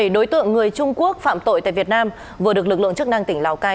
bảy đối tượng người trung quốc phạm tội tại việt nam vừa được lực lượng chức năng tỉnh lào cai